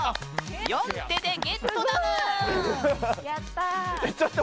４手でゲットだぬーん！